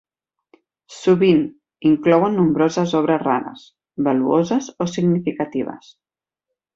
Sovint, inclouen nombroses obres rares, valuoses o significatives.